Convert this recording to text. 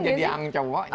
jadi yang cowok